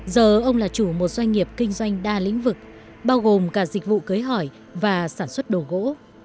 giờ ông là chủ một doanh nghiệp kinh doanh đa lĩnh vực bao gồm cả dịch vụ cưới hỏi và sản xuất đồ gỗ